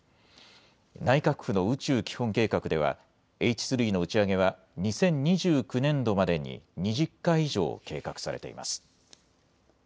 内閣府の宇宙基本計画では、Ｈ３の打ち上げは、２０２９年度までに２０回以上計画されています。